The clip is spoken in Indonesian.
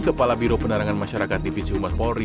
kepala biro penerangan masyarakat divisi umat polri